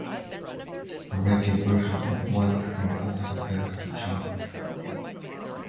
A reggae version of "Wild Thing" also failed to chart.